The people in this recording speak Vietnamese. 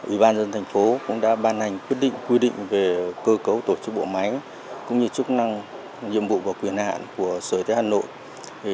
ubnd tp cũng đã ban hành quyết định về cơ cấu tổ chức bộ máy cũng như chức năng nhiệm vụ và quyền hạn của sở y tế hà nội